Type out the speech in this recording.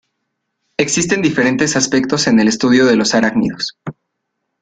Existen diferentes aspectos en el estudio de los arácnidos.